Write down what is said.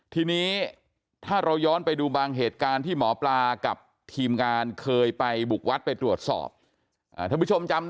ทีนี้ถ้าเราย้อนไปดูบางเหตุการณ์ที่หมอปลากับทีมการเคยไปบุกวัดไปตรวจสอบ